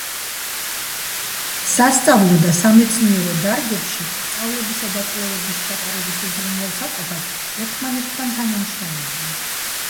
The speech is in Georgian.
სასწავლო და სამეცნიერო დარგებში სწავლებისა და კვლევების ჩატარების უზრუნველსაყოფად ერთმანეთთან თანამშრომლობა.